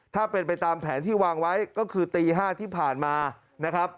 ถ้าเป็นไปตามแผนที่วางไว้ก็คือตี๕ที่ผ่านมานะครับ